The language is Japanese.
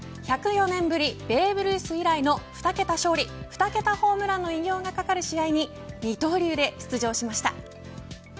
１０４年ぶりベーブ・ルース以来の２桁勝利２桁ホームランの偉業が懸かる試合に二刀流で出場しました。